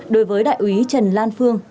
đối với đại úy trần lan phương